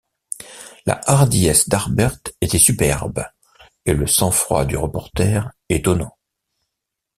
La hardiesse d’Harbert était superbe, et le sang-froid du reporter étonnant